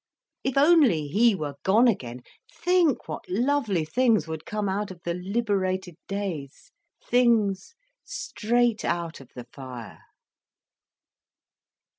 If only he were gone again, think what lovely things would come out of the liberated days;—things straight out of the fire."